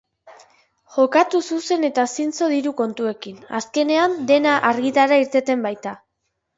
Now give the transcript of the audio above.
Jokatu zuzen eta zintzo diru kontuekin, azkenean dena argitara irteten baita.